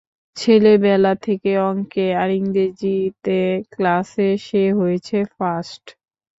ছেলেবেলা থেকে অঙ্কে আর ইংরেজিতে ক্লাসে সে হয়েছে ফার্স্ট।